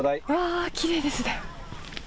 あー、きれいですね。